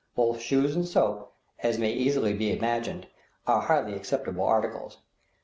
Both shoes and soap, as may be easily imagined, are highly acceptable articles.